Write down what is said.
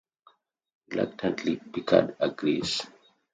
Reluctantly, Picard agrees.